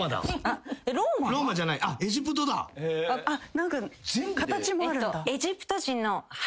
何か形もあるんだ。